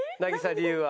渚理由は？